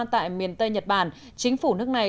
tại miền tây nhật bản chính phủ nước này